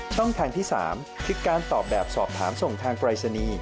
ช่องทางที่๓คือการตอบแบบสอบถามส่งทางปรายศนีย์